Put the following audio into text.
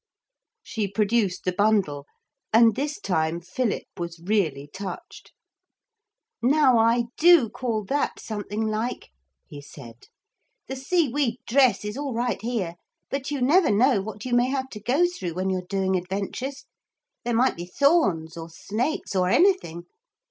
She produced the bundle. And this time Philip was really touched. 'Now I do call that something like,' he said. 'The seaweed dress is all right here, but you never know what you may have to go through when you're doing adventures. There might be thorns or snakes or anything.